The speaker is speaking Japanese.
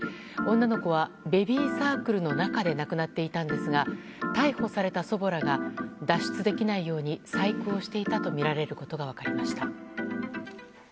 女の子はベビーサークルの中で亡くなっていたんですが逮捕された祖母らが脱出できないように細工をしていたとみられることが分かりました。